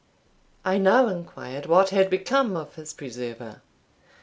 _ I now inquired what had become of his preserver.